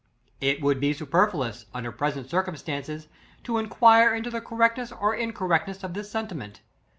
It would be superfluous, under present circumstan ces, to enquire into the correctness or in^ correctness of this sentiment.